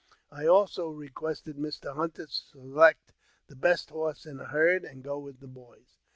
I also requested Mr. Hunter to select the best horse in the herd, and go with the boys.